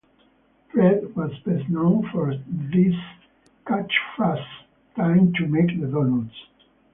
Fred was best known for his catchphrase Time to make the donuts!